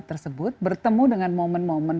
tersebut bertemu dengan momen momen